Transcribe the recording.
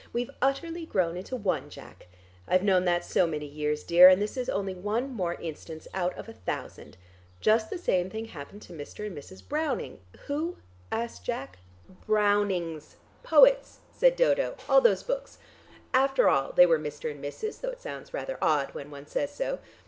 We've utterly grown into one, Jack; I've known that so many years, dear, and this is only one more instance out of a thousand. Just the same thing happened to Mr. and Mrs. Browning " "Who?" asked Jack. "Brownings poets," said Dodo, "all those books. After all, they were Mr. and Mrs., though it sounds rather odd when one says so.